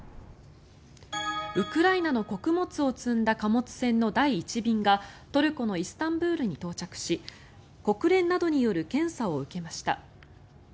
ウクライナの穀物を積んだ貨物船の第１便がトルコのイスタンブールに到着し国連などによる検査を受けました。